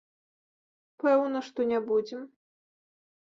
Пэўна, што не будзем.